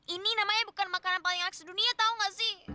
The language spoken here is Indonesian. ini namanya bukan makanan paling enak di dunia tau nggak sih